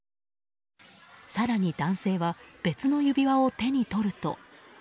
更に男性は別の指輪を手に取ると。